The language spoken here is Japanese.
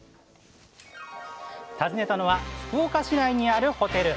訪ねたのは福岡市内にあるホテル